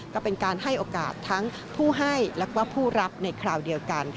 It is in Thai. ก็เป็นการให้โอกาสทั้งผู้ให้และผู้รับในคราวเดียวกัน